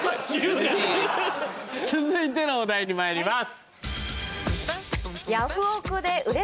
続いてのお題にまいります。